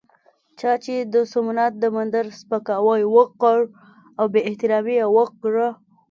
چا چې د سومنات د مندر سپکاوی وکړ او بې احترامي یې وکړه.